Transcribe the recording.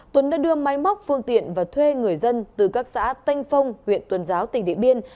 tuấn đã đưa máy móc phương tiện và thuê người dân từ các xã tây phong huyện tuần giáo tỉnh điện biên